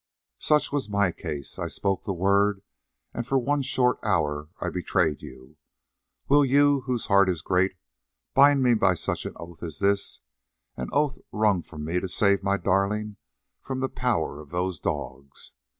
"Such was my case: I spoke the word and for one short hour I betrayed you. Will you, whose heart is great, bind me by such an oath as this, an oath wrung from me to save my darling from the power of those dogs?